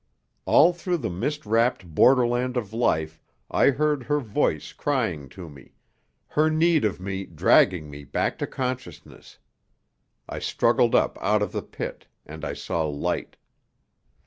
All through the mist wrapped borderland of life I heard her voice crying to me, her need of me dragging me back to consciousness. I struggled up out of the pit, and I saw light.